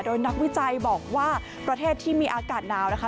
โดยนักวิจัยบอกว่าประเทศที่มีอากาศหนาวนะคะ